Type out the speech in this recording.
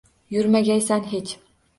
Yurmagaysan hech.